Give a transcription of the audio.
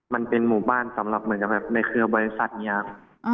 มันเป็นหมู่บ้านสำหรับในเครือบริษัทนี้ครับ